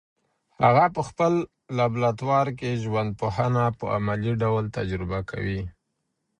هغه په خپل لابراتوار کي ژوندپوهنه په عملي ډول تجربه کوي.